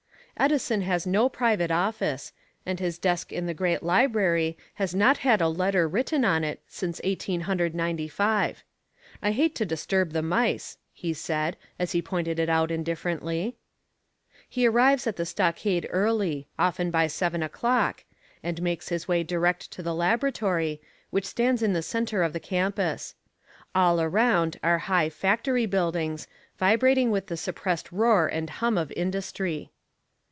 Edison has no private office, and his desk in the great library has not had a letter written on it since Eighteen Hundred Ninety five. "I hate to disturb the mice," he said as he pointed it out indifferently. He arrives at the stockade early often by seven o'clock, and makes his way direct to the Laboratory, which stands in the center of the campus. All around are high factory buildings, vibrating with the suppressed roar and hum of industry.